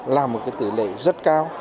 là một tỷ lệ rất cao